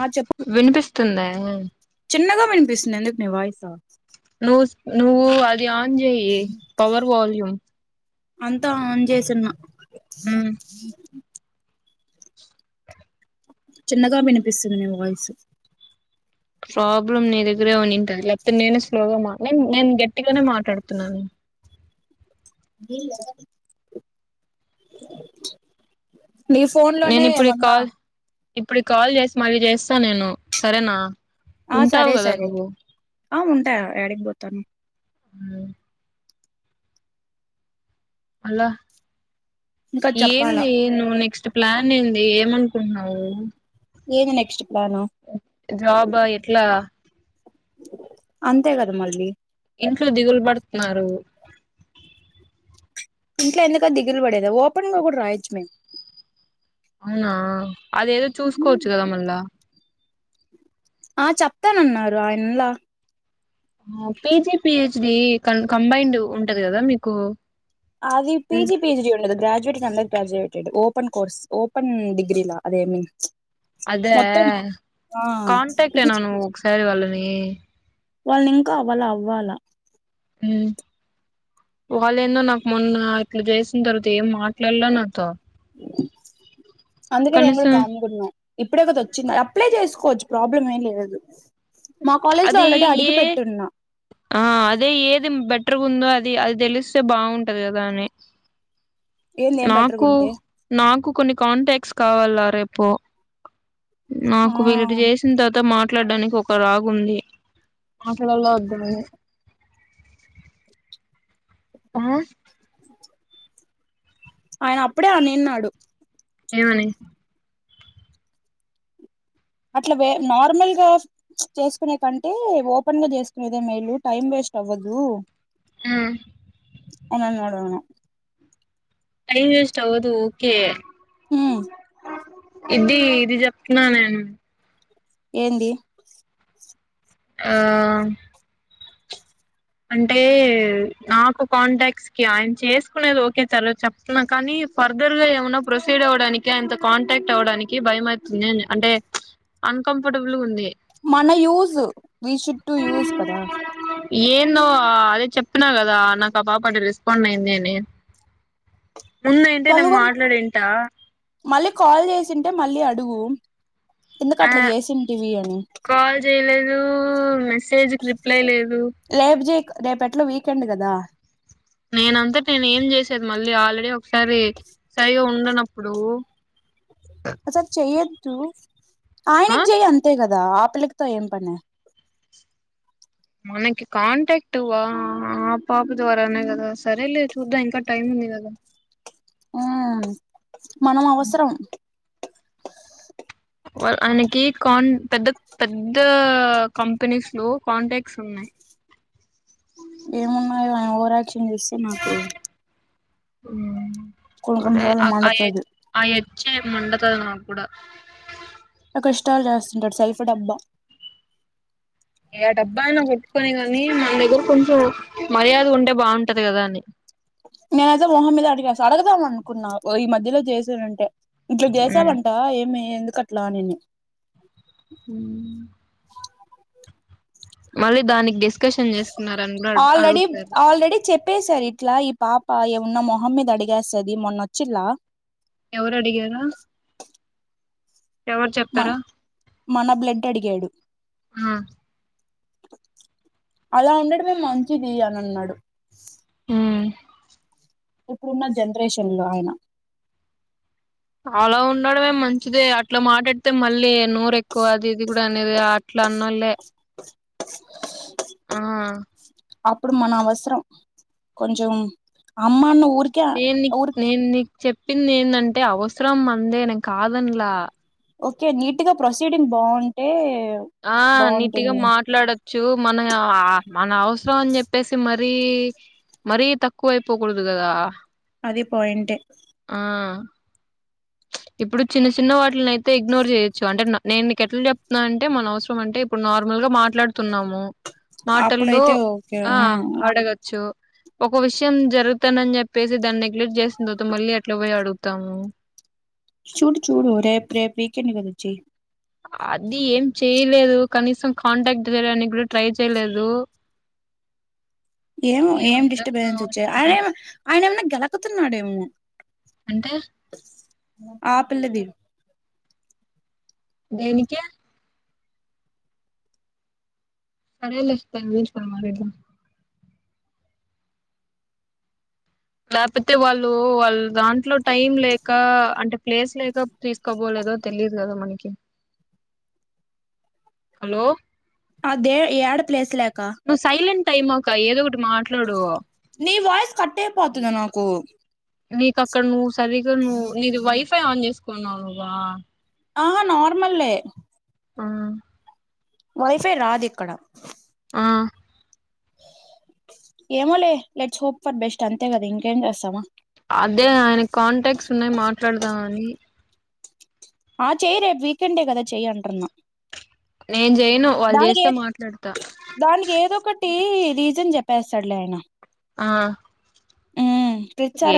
ఆ చెప్పు వినిపిస్తుందా చిన్నగా వినిపిస్తుంది ఎందుకు వయిసా నుస్ నువూ అది ధ్యాన్ చేయి పవర్ వాల్యూమ్ అంతా ఆన్ జేసున్న జ జీ [inaudible] చిన్నగా వినిపిస్తుంది నీ వాయిస్ ప్రాబ్లమ్ నీ దగ్గరే ఉనింటది లేకపోతే నేనే స్లోగా నేన్ నేన్ గట్టిగానే మాట్లాడుతున్నాను [unintelligible] నీ ఫోన్ నేను లోనే ఇప్పుడు ఈ ఏమన్నా కాల్ ఇప్పుడు కాల్ చేసి మళ్ళీ చేస్తా నేను సరేనా ఆ ఉంటావు సరే గదా సరే నువ్వు ఆ ఉంటాయా ఎడగిపోతాను అలా ఇంకా చెప్పాలా ఏంది నువ్వు నెక్స్ట్ ప్లాన్ ఏంది ఏమనుకుంటున్నావు ఏంది నెక్స్ట్ ప్లాను జాబ్ ఎట్లా అంతే కదా మళ్ళీ ఇంట్లు దిగులు బడత్ న్నారు ఇంట్లో ఎందుక దిగులు పడేద ఓపెన్ గా కూడా రాయొచ్చు మేము అవునా అదేదో చూసుకోవచ్చు కదా మళ్ళా ఆహ్ చెప్తానన్నారు ఆయన్లా. ఆహ్ పేరు చెప్పీ. చీ కం కంబైండ్ ఉంటది కదా మీకు. అది ఉం. పిజి, పిహెచ్ డి ఉండదు గ్రాడుయేట్ అండర్ గ్రాడుయేట్ ఓప్. ఓపన్ కోర్స్ ఓపెన్ డిగ్రీ లా అదేమి ప్చ్. అదే కాంటాక్ట్ ఏన నువ్వు ఒకసారి వాళ్ళని. ఏ వాళ్లని ఇంకా అవ్వాలే అవ్వాలా. వాళ్ళేన్నో నాకు మొన్న ఇట్లా చేసిన తరు తే ఏం మాట్లాడలే నాతో అందుకే నేను కూడా కనీసం. కామ్గున్నా ఇప్పుడే కదా వచ్చింది అప్లై చేసుకోవచ్చు ప్రాబ్లం ఏం లేదు. మా కాలేజ్ లో అది ఆల్రెడీ అడిగి ఏ పెట్టున్నా ఆహ్ అదే ఏది బెట్. గుందో అది అది తెలిస్తే బాగుంటది కదా అని. ఏంది ఏం నాకు బెటర్గుంటే నాకు కొన్ని కాంటాక్ట్స్. కావాల రేపు. ఆ నాకు వీలుంటే చేసిన తర్వాత మాట్ మాట్లాడడానికి ఒక లాగు ఉంది. మాట్లాలా వద్ద అని ఆహ్. ఆయన అప్పుడే అనినాడు. ఏమనీ. అట్లా వే నార్మల్గా చేసుకునే కంటే ఓపెన్ గా చేసుకునేదే మేలు టైం వేస్ట్ అవ్వదు. ఉమ్. ఆయనను అడగను. టైమ్ వేస్ట్ అవదు. ఓకే. ఉమ్ ఆహ్. ఇది ఇది చెప్తున్నా నేను. ఏంది. ఆహ్. అంటే నాకు కాంటాక్ట్స్ కి ఆయన చేసుకునేది ఓకే సార్ చెప్తున్నా కానీ ఫర్దర్ గా ఏమన్నా ప్రొసీడి అవ్వడానికి ఆయనతో కాంటాక్ట్ అవ్వడానికి భయమవుతుంది అని అంటే ప్చ్ అన్ కంఫర్టబుల్ గా ఉంది. మన use we should to use కదా. ఏం. నువ్వు అదే చెప్పిన కదా నాకు ఆ పాప రెస్పాండ్ అయింది అని. ముందు అంటే నేను పలువన్ మాట్లాడింటా మళ్ళీ కాల్ చేసింటే మళ్ళీ అడుగు. ఎందుకు ఆ అట్లా జేసింటివి అని. Room mace. మెసేజ్కి రిప్లై లేదు. రేపు చే రేపు ఎట్లా వీకెండ్ కదా నేనంతాట నేను ఏం చేసేది మళ్ళీ ఆల్రెడీ ఒకసారి సరిగా ఉండనప్పుడు అసలు చేయ దు ఆ ఆయనకి జెయ్యి అంతే కదా అదా ఆపిల్ల తో ఏం పనీ మనకి కాంటాక్ట్ ఆ పాప ద్వారానే కదా సరే లే చూద్దాం ఇంకా టైమ్ ఉంది కదా ఆ మనం అవసరం ఆయనకి కాన్ పెద్ద పెద్ద కంపెనీస్ లో కాంటాక్ట్స్ ఉన్నాయ్ ఏమున్నాయో ఆయన ఓవరాక్షన్ చేస్తే నాకు హ్మ్ కొన్ని కొన్నిసార్లు మండతాది చ్చే మండతాది నాకు కూడా కష్టాలు చేస్తుంటాడు సై ప్పుడబ్బా ఏ డబ్బా అయినా కట్టుకొని గానీ మన దగ్గర కొంచెం మర్యాదగ ఉంటే బాగుంటది కదా అని నేనైతే మోహం మీదే అడిగెసా అడగదెమో అనుకున్నా ఈ మధ్యలో చేసానంటే ఇట్లా జేశావంట ఏమి ఎందుకు కట్లానిని మ్ మళ్ళీ దానికి డి ఆల్రెడీ ఆల్రెడీ చెప్పేశారు ఇట్లా ఈ పాప ఏం ఉన్నా మొ మొహమ్ మీద అడిగేస్తది మొన్నొచ్చిలా ఎవరు అడిగారా ఎవరు మ చెప్పారా మన బ్లడ్ అడిగాడు ఆ అలా ఉండడమే మంచిది అని అన్నాడు హ్మ్ ఇప్పుడున్న జనరేషన్ లో ఆయన అలా ఉండడమే మంచిది అట్లా మాట్లాడితే మళ్ళీ నోరెక్కువ అది ఇది కూడా నేది అట్లా అన్నలే ఆ అప్పుడు మన అవసరం కొంచం అమ్మను ఊరికే నేను నీ ఊరికి నేను నీకు చెప్పింది ఏందంటే అవసరం మందేనే కాదన్నలా ఓకే నీట్గా ప్రొసీడింగ్ బాగుంటే ఆ నీట్గా బాగుంటుంది మాట్లాడొచ్చు మన మన అవసరం అని చెప్పేసి మరి మరీ మరీ తక్కువైపోకూడదు కదా అది పాయింటే ఆ ఇప్పుడు చిన్న చిన్న వాటిల్ అయితే ఇగ్నోర్ చేయచ్చు అంటే న నేను నీకు ఎట్లా చెప్తున్నా అంటే మన అవసరం అంటే ఇప్పుడు నార్మల్ గా మాట్లాడుతున్నాము మాటల్లో అప్పుడైతే ఓకే ఆ అడగచ్చు ఒక విషయం జరుగుతానని చెప్పేసి దాన్ని నెగ్లెక్ట్ చేసిన తర్వాత మళ్ళీ ఎట్లా పోయి అడుగుతాము చూడు చూడు రేపు వీకెండ్ కద వచ్చే అది ఏం చేయలేదు కనీసం కాంటాక్ట్ చేయడానికి కూడా ట్రై చేయలేదు ఏమో ఏం అర్థం డిస్టర్బెన్స్ వచ్చాయి కావట్లా ఆయన ఏమ ఆయన ఏమన్నా కెలకుతున్నాడేమో అంటే ఆ పిల్లది దేనికే సరేలే దాని గురించి మళ్ళి మాటాడదాం లేకపోతే వాళ్ళు వాళ్ళు దాంట్లో టైమ్ లేక అంటే ప్లేస్ లేక తీసుకోబోలేదో తెలీదు కదా మని హలో అదే యాడ ప్లేస్ లా నువ్ సైలెంట్ టై మోక ఏదో మాట్లాడు నీ వాయిస్ కట్ ఐపోతుంది నాకు నీకు అక్కడ నూస్ కర్రీగ నువ్ నీది వైఫై ఆన్ చేస్ కున్నావ్ నువ్వా ఆహా నార్మల్ ఏ ఆ వైఫై రాదిక్కడ ఆ ఏమోలే లెట్స్ హోప్ ఫర్ బెస్ట్ అంతే కదా ఇంకేం చేస్తావా అదే ఆయన కాంటాక్ట్స్ ఉన్నాయి మాట్లాడదాం అని ఆ చేయ్ రేపు వీకెండ్ ఏ కదా చెయ్ అంటున్నా నేను చేయను వాళ్ళు దానికి చేస్తే ఏ మాట్లాడతా దానికి ఏదో ఒకటి రీజన్ చెప్ పేస్సడులే ఆయన ఆ ఊ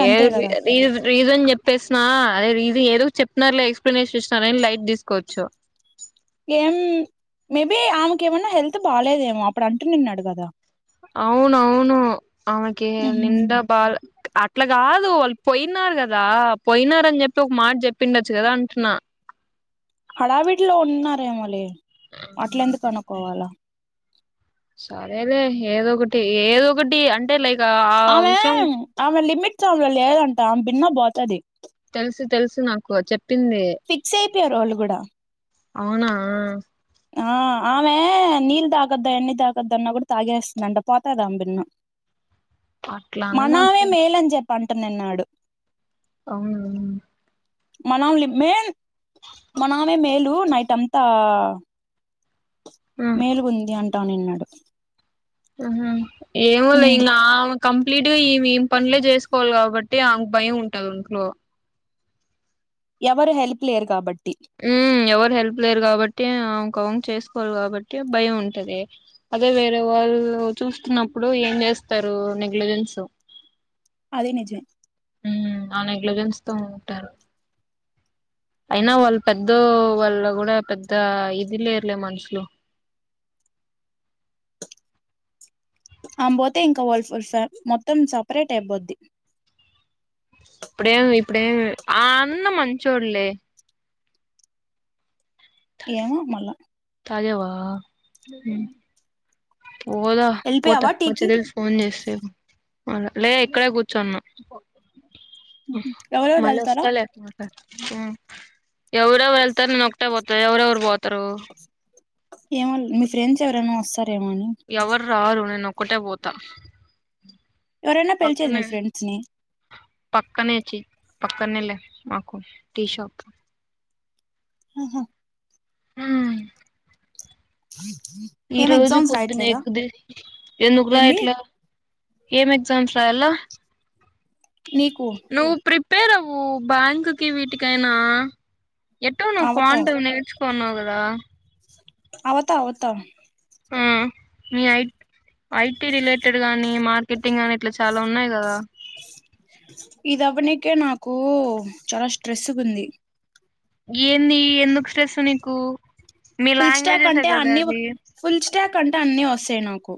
ఏ రీస్ రీజన్ చెప్పేసినా అదే ఇది ఏదో చెప్పిన్నారు లే ఎక్స్ప్లెయినేషన్ ఇసినారని లైట్ తీసుకోవచ్చు ఏం మేబి ఆమెకు ఏమన్నా హెల్త్ బాలేదేమో అప్పుడు అంటూ నిన్నాడు కదా అవును అవును అమెకి ఉహుం. నింద బాల్ అట్లా కాదు వాళ్ళు పోయినారు కదా పోయినార అని చెప్పి ఒక మాట చెప్పిండచ్చు కదా అంటున్నా హడావిట్ లో ఉండన్నారు ఏమో లే అట్ల ఎందుకు అనుకోవాలా సరే లే ఏదో ఒకటి ఏదో ఒకటి అంటే లైక్ ఆ ఆమె విషయం ఆమె లిమిట్ ట్స్ ఆమె లో లేదంట ఆమే భిన్న పోతది తెలుసు తెలుసు నాకు చెప్ ప్పింది పియ్యారు వాళ్ళు కూడా అవునా ఆ ఆమె నీళ్ తాగద్దా ఎన్ని తాగద్ద అన్న కూడా తాగేస్తుందంట పోతాది ఆమె బిన్న అట్లా మనమే అనమాకులే మెలంజెప్ పంట నిన్నాడు అవునా మనం లి మేన్ మనమే మేలు నైట్ అంతా మేలుగుంది అం ట ఉన్నిన్నాడు హ్మ్ హు ఏమోలే ఇంగాము కంప్లీట్ గా ఇమ్ ఇం పన్లే చేసుకోవాలి కాబట్టి ఆమ్క్ భయం ఉంటది ఇంట్లో ఎవరు హెల్ప్ లేరు కాబట్టి మ్మ్ ఎవరు హెల్ప్ లేరు కాబట్టి ఇంకావం చేసుకోవాలి కాబట్టి భయం ఉంటది అదే వేరే వాళ్ళు చూస్తున్నప్పుడు ఏం చేస్తారు నెగ్లజెన్స్. అది నిజమే ఆ నెగ్లిజెన్స్ తో ఉంటారు అయినా వాళ్ళు పెద్దో వాళ్ళ కూడా పెద్ద ఇది లేర్లే మనుషులు ఆమ్ పోతే ఇంకా వల్ఫర్ ఫ్యాన్ మొత్తం సపరేట్ అయిపోద్ది ఇప్పుడేమ్ ఇప్పుడేమ్ ఆ అన్న మంచోడ్లే ఏమో మళ్ళా అదే వా మ్మ్ పోదా పోతా వెళ్ళిపోయావా మా టీకి చెల్లెలు ఫోన్ చేస్తే లే ఇక్కడే కూర్చోన్నా ఎవరెవరు మళ్ళ వెళ్తారా వస్తలే మళ్ళ మ్మ్ ఎవర్ ఎవర్ ఎళ్తారు నేన్ ఒకటే పోత్ త ఎవరెవరు పో తరు ఏమో మీ ఫ్రెండ్స్ ఎవరైనా వస్ ఎవ్వర్ రారు నేను ఒ క్కటె పోతా ఎవరైనా పిలిచేర మీ పక్కనే ఫ్రెండ్స్ ని పక్కనే చ్చి పక్కనేలె మాకు టీ షాప్ హహా హ [inaudible] ఈ ఏం రోజు ఎగ్జామ్స్ పొద్దున్నే రాయట్లేదా ఎకుది ఎందుకు ఏంది రాయట్లా ఏం ఎగ్జామ్స్ రాయాల నీకు నువ్వు ప్రిప్ ప్రిపేర్ అవ్వు బ్యాంకు కి వీటికైనా ఎటో నువ్వు అవతా కాంట్ అవి నేర్చుకున్నావ్ పోన్నావు కదా అవత అవత ఆ మీ ఐ ఐటీ రిలేటెడ్ గానీ మార్కెటింగ్ ని ఇట్లా చాలా ఉన్నాయి కదా ఇది అవ్వనికే నాకు చాలా స్ట్రెస్గ ఉంది ఏంది ఎందుకు స్ట్రెస్సు నీకు మీ ఫుల్ స్టాక్ లాంగ్వేజెసే అంటే కదా అన్ని అవి ఫుల్ స్టాక్ అంటే అన్నీ వస్తాయి నాకు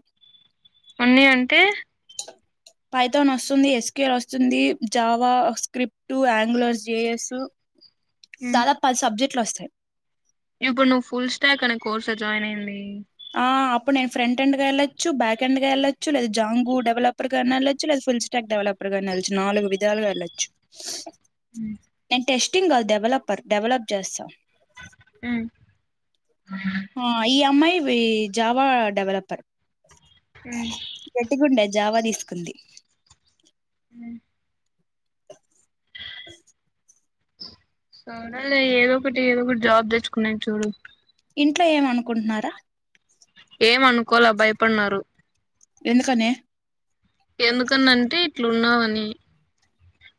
అన్ని అంటే పైతాన్ వస్తుంది ఎస్ క్యూ ఎల్ వస్తుంది జావా స్క్రిప్ట్ ఆంగ్లర్ జేఎస్ ఉమ్, సదా ప సబ్జెక్ట్ ఎట్లా వస్తాయి అతే అక్కడ కోర్సలో జాయిన్ అయింది ఆ అప్పుడు నేను ఫ్రంట్ హండ్ గా వెళ్లచ్చు బ్యాక్ హండ్గా వెళ్లచ్చు లేదా జాంగు డెవలపర్ గా వెళ్లచ్చు లేదా ఫుల్ స్టాక్ డెవలపర్ గాని వెళ్లచ్చు నాలుగు విధాలుగా వెళ్లొచ్చు అ టెస్టింగ్ కాదు డెవలపర్ డెవలప్ చేస్తాం హ ఆ ఈ అమ్మాయి జావా డెవలపర్ ఉమ్, గటికుండే జావా తీ తీసుకుంది అ [inaudible] సనాల ఏదో ఒకటి ఏదో ఒకటి జాబ్ తెచ్చుకున్నా చూడు ఇంట్లో ఏమ అనుకుంటున్నారా ఏమనుకోల భయపడ్నరూ ఎందుకనీ అట్లున్నావని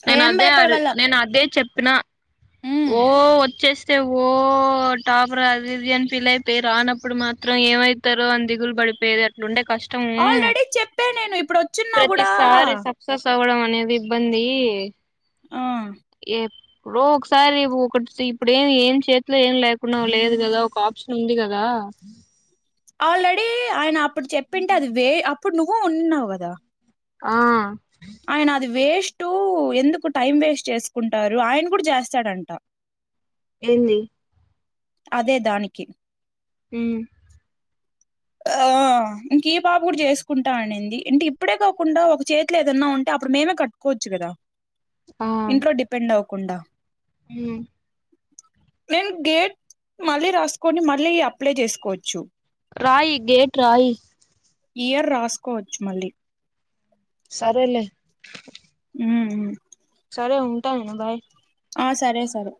నేను ఏం అదే అది భయపడవల్ల నేను అదే చెప్ తనా ఓ వచ్చేస్ చె ఓ టాప్ర్ అది ఇది అని ఫిల్ అయిపోయి రానప్పుడు మాత్రం ఏమైతారో అని దిగులు పడిపోయది అట్లుండే కష్టము ఆల్రెడీ చెప్పే నేను ఇప్పుడు వచ్చిన్న కూడా ఏది ఇబ్బంది ఆ రోక్స్ సారీ ఒకటి సీప్ ఏం ఏం చేతిలో ఏం లేకున్నా లేదు కదా ఒక ఆప్షన్ ఉంది కదా ఆల్రెడీ ఆయన ఇప్పుడు చెప్పింటే అది వే ఇప్పుడు నువ్వు వున్నావ్ కదా ఆ ఆయనా అది వే టు ఎందుకు టైం వేస్ట్ చేసుకుంటారు ఆయన కూడా చేస్తాడంట ఎన్ని అదే దానికి ఉ ఆ ఇంక ఈ పాప కూడా చేసుకుంటా అనింది అంటే ఇప్పుడే కాకుండా ఒక చేతిలో ఏదన్నా ఉంటే అప్పుడు మేమే కట్టుకోవచ్చు కదా ఇంట్లో డిపెండ్ అవు కుండా ఊ నేను గేట్ మళ్ళీ రాసుకొని మళ్ళీ అప్లై చేసుకోవచ్చు రాయి గేట్ రాయి ఇయర్ రాసుకోవచ్చు మళ్ళీ సరేలే ఉ ఊ సరే ఉంటాను భై ఆ సరే సరే